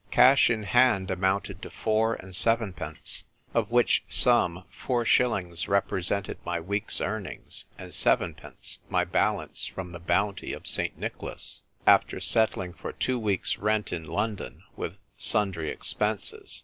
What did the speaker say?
Cash in hand amounted to four and sevenpence — of which sum, four shillings represented my week's earnings, and seven pence my balance from the bounty of St. Nicholas, after settling for tw^o weeks' rent in London, with sundry expenses.